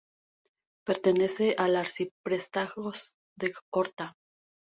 Pertenece al arciprestazgo de Horta.